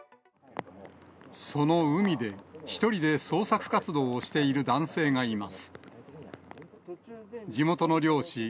その海で、１人で捜索活動をしている男性がいます。